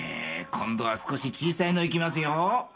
今度は少し小さいのいきますよ。